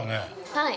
◆はい！